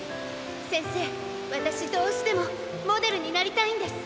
せんせいわたしどうしてもモデルになりたいんです。